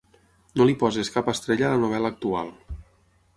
No li posis cap estrella a la novel·la actual